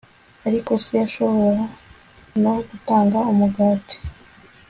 ariko se, yashobora no gutanga umugati